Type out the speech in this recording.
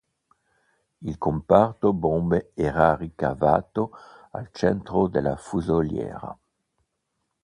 Il comparto bombe era ricavato al centro della fusoliera.